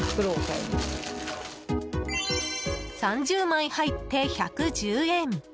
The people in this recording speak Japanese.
３０枚入って１１０円。